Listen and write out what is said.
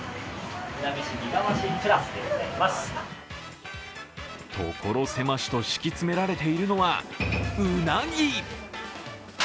所狭しと敷き詰められているのは、うなぎ。